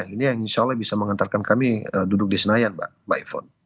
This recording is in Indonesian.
ini yang insya allah bisa mengantarkan kami duduk di senayan mbak ifon